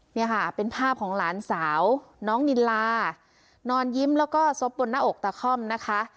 เนี่ยค่ะเป็นภาพของหลานสาวน้องนิลานอนยิ้มแล้วก็ซบบนหน้าอกตะค่อมนะคะ